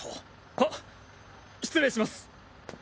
はっ失礼します！